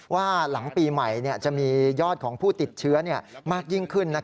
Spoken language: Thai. ว่าหลังปีใหม่จะมียอดของผู้ติดเชื้อมากยิ่งขึ้น